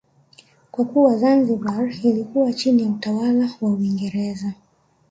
Kwa kuwa Zanzibar ilikuwa chini ya utawala wa Uingereza